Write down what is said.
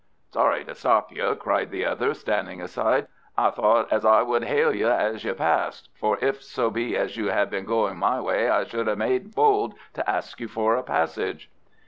"Sorry to stop you," cried the other, standing aside; "I thought as I would hail you as you passed, for if so be as you had been going my way I should have made bold to ask you for a passage."